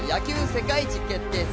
世界一決定戦